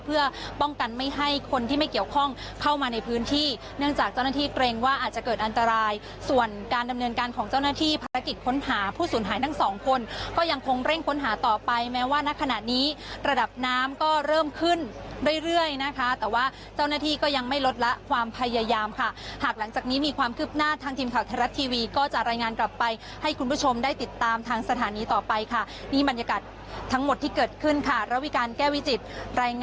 เพื่อป้องกันไม่ให้คนที่ไม่เกี่ยวข้องเข้ามาในพื้นที่เนื่องจากเจ้าหน้าที่เกรงว่าอาจจะเกิดอันตรายส่วนการดำเนินการของเจ้าหน้าที่ภารกิจค้นหาผู้สูญหายทั้งสองคนก็ยังคงเร่งค้นหาต่อไปแม้ว่านักขณะนี้ระดับน้ำก็เริ่มขึ้นเรื่อยเรื่อยนะคะแต่ว่าเจ้าหน้าที่ก็ยังไม่ลดละความพยายามค่ะหากหล